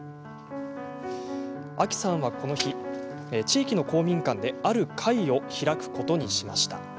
アキさんは、この日地域の公民館で、ある会を開くことにしました。